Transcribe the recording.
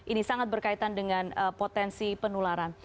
ini sangat berkaitan dengan potensi penularan